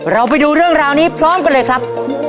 เราไปดูเรื่องราวนี้พร้อมกันเลยครับ